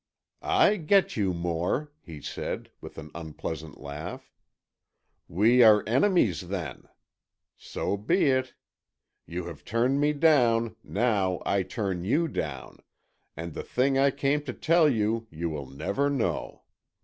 "I get you, Moore," he said, with an unpleasant laugh. "We are enemies, then? So be it. You have turned me down, now I turn you down, and the thing I came to tell you, you will never know.